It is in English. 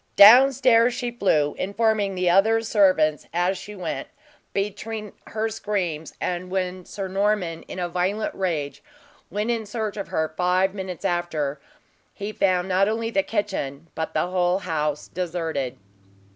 Down stairs she flew, informing the other servants as she went, between her screams, and when Sir Norman, in a violent rage, went in search of her five minutes after, he found not only the kitchen, but the whole house deserted.